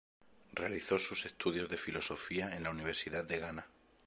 Realizó sus estudios de filosofía en la Universidad de Ghana.